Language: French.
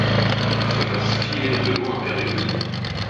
Tout ce vaste filet de lois impérieuses